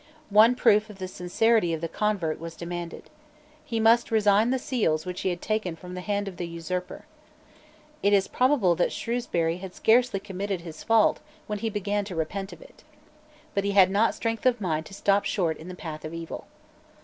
One proof of the sincerity of the convert was demanded. He must resign the seals which he had taken from the hand of the usurper, It is probable that Shrewsbury had scarcely committed his fault when he began to repent of it. But he had not strength of mind to stop short in the path of evil.